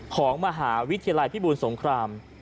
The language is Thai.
ของมหาวิทยาลัยพิบูลสงคราม